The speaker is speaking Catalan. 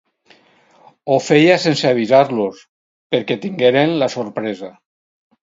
Ho feia sense avisar-los, perquè tingueren la sorpresa...